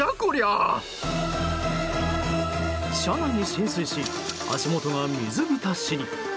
車内に浸水し足元が水浸しに。